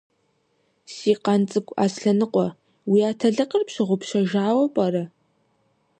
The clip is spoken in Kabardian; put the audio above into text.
Си къан цӀыкӀу Аслъэныкъуэ! Уи атэлыкъыр пщыгъупщэжауэ пӀэрэ?